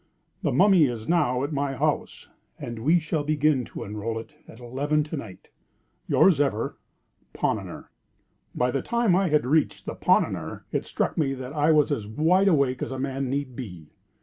The Mummy is now at my house, and we shall begin to unroll it at eleven to night. "Yours, ever, PONNONNER. By the time I had reached the "Ponnonner," it struck me that I was as wide awake as a man need be.